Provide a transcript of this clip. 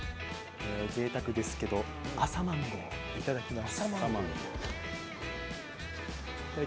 ぜいたくですけど朝マンゴーをいただきます。